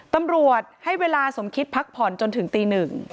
ตำรวจให้เวลาสมคิดพักผ่อนจนถึงตีหนึ่ง